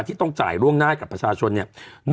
ที่ต้องจ่ายล่วงหน้าให้กับประชาชนเนี่ย